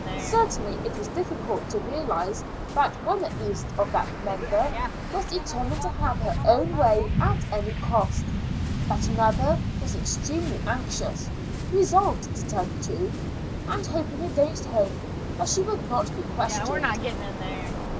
Certainly it was difficult to realize that one at least of that number was determined to have her own way at any cost; that another was extremely anxious, resolved to tell the truth, and hoping against hope that she would not be questioned.